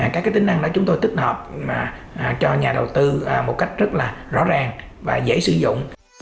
các tính năng đó chúng tôi tích hợp cho nhà đầu tư một cách rất là rõ ràng và dễ sử dụng